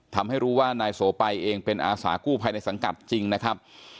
ทำให้รู้ว่านายโสไปเองเป็นอาสากู้ภัยในสังกัดจริงนะครับ